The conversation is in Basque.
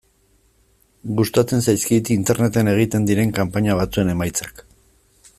Gustatzen zaizkit Interneten egiten diren kanpaina batzuen emaitzak.